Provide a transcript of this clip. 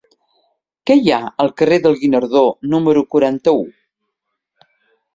Què hi ha al carrer del Guinardó número quaranta-u?